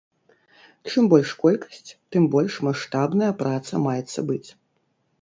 Чым больш колькасць, тым больш маштабная праца маецца быць.